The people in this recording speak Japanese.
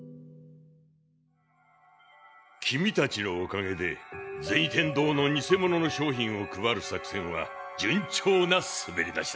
きみたちのおかげで銭天堂のニセモノの商品を配る作戦は順調なすべり出しだ。